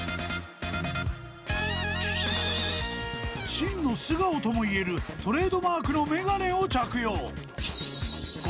［真の素顔ともいえるトレードマークの眼鏡を着用］